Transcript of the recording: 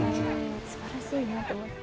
すばらしいなと思って。